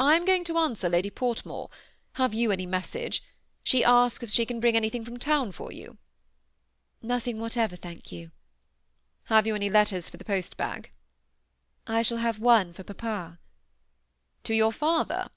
I am going to answer Lady Portmore ! Have you any message ? She asks if she can bring anything from town for you ?"" Nothing whatever, thank you." " Have you any letters for the post bag ?"" I shall have one for papa." " To your father